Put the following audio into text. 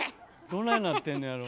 どないなってんのやろ。